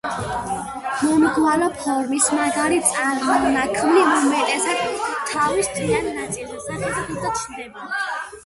მომრგვალო ფორმის მაგარი წარმონაქმნი უმეტესად თავის თმიან ნაწილზე, სახეზე, ზურგზე ჩნდება.